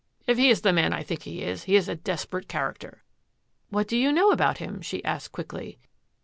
If he is the man I think he is, he is a desperate character." "What do you know about him?" she asked quickly.